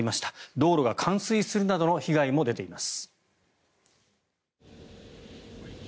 道路が冠水するなどの被害が出ています。